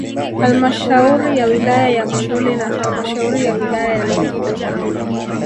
Halmashauri ya wilaya ya Monduli na halmashauri ya wilaya ya Longido